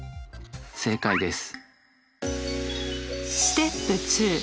正解です。